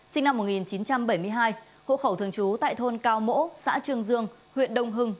sinh năm một nghìn chín trăm bảy mươi hai hộ khẩu thường trú tại thôn cao mỗ xã trương dương huyện đông hưng